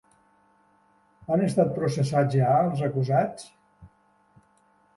Han estat processats ja els acusats?